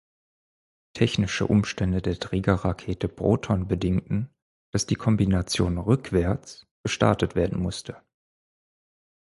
Technische Umstände der Trägerrakete Proton bedingten, dass die Kombination „rückwärts“ gestartet werden musste.